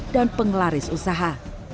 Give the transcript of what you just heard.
dan penglaris usaha